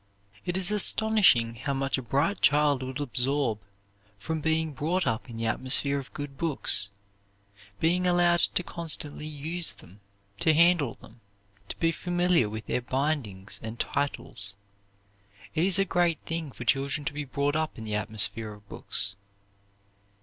It is astonishing how much a bright child will absorb from being brought up in the atmosphere of good books, being allowed to constantly use them, to handle them, to be familiar with their bindings and titles. It is a great thing for children to be brought up in the atmosphere of books.